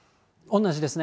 同じですね。